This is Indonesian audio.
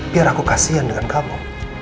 biar aku kasian dengan kamu